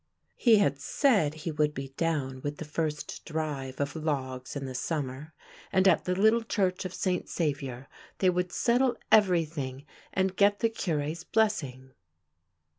He had said he would be down with the first drive of logs in the summer, and at the little church of St. Saviour they would settle every thing and get the Cure's blessing.